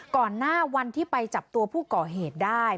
ก่อนหน้าวันที่ไปจับตัวผู้ก่อเหตุได้